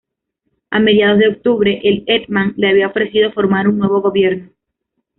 A mediados de octubre, el hetman le había ofrecido formar un nuevo Gobierno.